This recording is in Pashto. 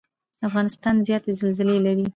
افغانستان زیاتې زلزلې لري.